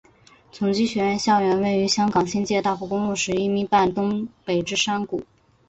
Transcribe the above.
崇基学院校园位于香港新界大埔公路十一咪半东北之山谷。